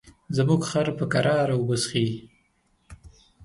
زموږ خر په کراره اوبه څښي.